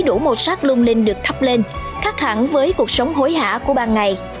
đủ màu sắc lung linh được thắp lên khác hẳn với cuộc sống hối hả của ban ngày